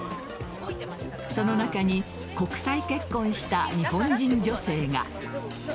その中に国際結婚した日本人女性が。